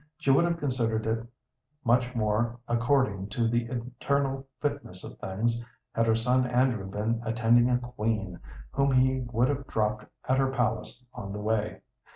She would have considered it much more according to the eternal fitness of things had her son Andrew been attending a queen whom he would have dropped at her palace on the way.